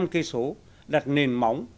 một trăm linh km đặt nền móng